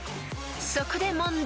［そこで問題］